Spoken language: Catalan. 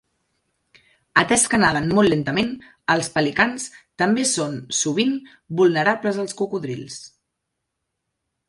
Atès que naden molt lentament, els pelicans també són sovint vulnerables als cocodrils.